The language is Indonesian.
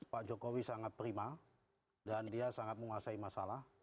pak jokowi sangat prima dan dia sangat menguasai masalah